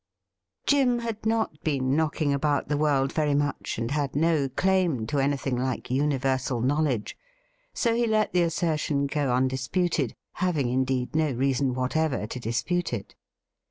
Jim had not been knocking about the world very much, and had no claim to anything like universal knowledge. So he let the assertion go undisputed, having, indeed, no reason whatever to dispute it.